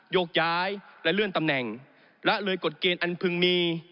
ยกย้ายและเลื่อนตำแหน่งละเลยกฎเกณฑ์อันพึงมี